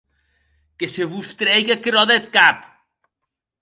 Que se vos trèigue aquerò deth cap.